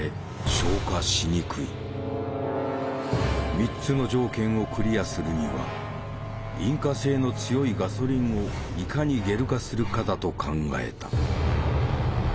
３つの条件をクリアするには引火性の強いガソリンをいかにゲル化するかだと考えた。